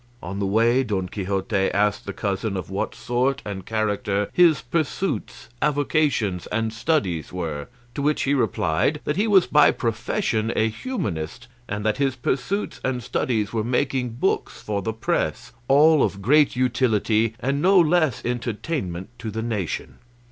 On the way Don Quixote asked the cousin of what sort and character his pursuits, avocations, and studies were, to which he replied that he was by profession a humanist, and that his pursuits and studies were making books for the press, all of great utility and no less entertainment to the nation.